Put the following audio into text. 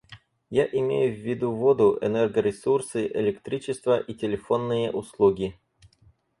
Я имею в виду воду, энергоресурсы, электричество и телефонные услуги.